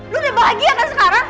udah bahagia kan sekarang